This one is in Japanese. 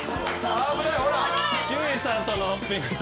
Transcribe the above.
ほら。